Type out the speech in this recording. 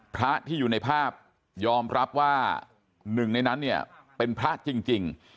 พระที่อยู่ในภาพยอมรับว่าหนึ่งในนั้นเนี่ยเป็นพระจริง